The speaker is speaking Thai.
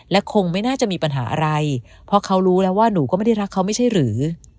และคงไม่น่าจะมีปัญหาอะไรเพราะเขารู้แล้วว่าหนูก็ไม่ได้รักเขาไม่ใช่หรือ